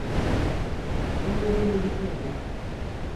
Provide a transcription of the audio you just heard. Umudunu yitirme.